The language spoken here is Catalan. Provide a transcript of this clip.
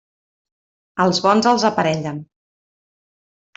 Als bons els aparellen.